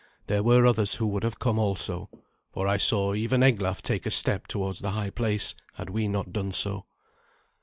There were others who would have come also, for I saw even Eglaf take a step towards the high place, had we not done so.